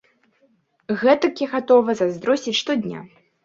Гэтак я гатовы зайздросціць штодня.